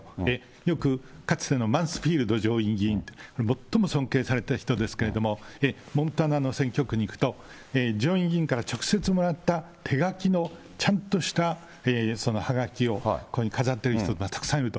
よくかつてのマンスフィールド上院議員って、最も尊敬された人ですけれども、モンタナの選挙区に行くと、上院議員から直接もらった手書きのちゃんとしたそのはがきを、ここに飾ってる人がたくさんいると。